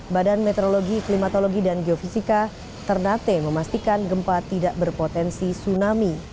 badan meteorologi klimatologi dan geofisika ternate memastikan gempa tidak berpotensi tsunami